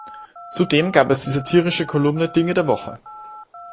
Zudem gab es die satirische Kolumne „Dinge der Woche“.